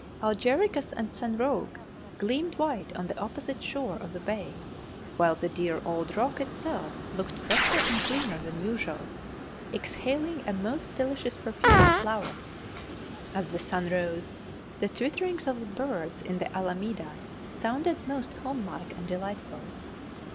Algeciras and San Roque gleamed white on the opposite shore of the bay, while the dear old Rock itself looked fresher and cleaner than usual, exhaling a most delicious perfume of flowers. As the sun rose, the twitterings of the birds in the Alameda sounded most homelike and delightful.